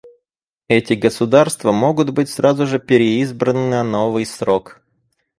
Эти государства могут быть сразу же переизбраны на новый срок.